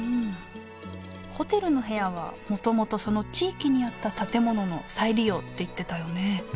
ホテルの部屋はもともとその地域にあった建物の再利用って言ってたよね